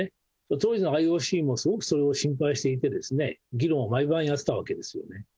当時のＩＯＣもすごくそれを心配していて、議論を毎晩やってたわけですよ。